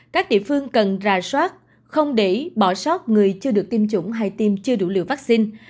các địa phương cần ra soát không để bỏ sót người chưa được tiêm chủng hay tiêm chưa đủ liều vaccine